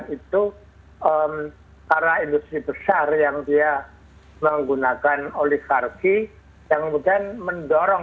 itu karena industri besar yang dia menggunakan oligarki yang kemudian mendorong